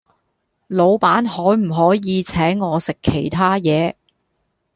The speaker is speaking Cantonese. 老闆可唔可以請我食其他野